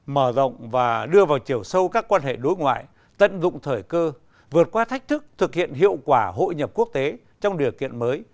mở rộng và đưa vào chiều sâu các quan hệ đối ngoại tận dụng thời cơ vượt qua thách thức thực hiện hiệu quả hội nhập quốc tế trong điều kiện mới